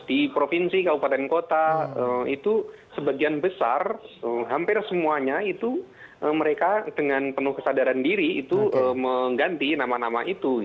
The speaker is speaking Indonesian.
di provinsi kabupaten kota itu sebagian besar hampir semuanya itu mereka dengan penuh kesadaran diri itu mengganti nama nama itu